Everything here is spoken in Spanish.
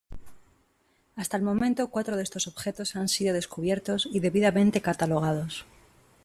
Hasta el momento, cuatro de estos objetos han sido descubiertos y debidamente catalogados.